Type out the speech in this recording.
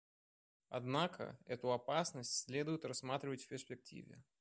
Однако эту опасность следует рассматривать в перспективе.